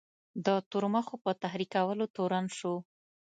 د تورمخو په تحریکولو تورن شو.